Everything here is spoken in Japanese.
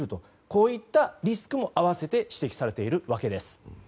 そういったリスクも併せて指摘されています。